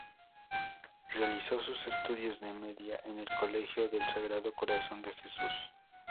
Realizó sus estudios de media en el Colegio del Sagrado Corazón de Jesús.